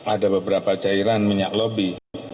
ada beberapa cairan minyak lobby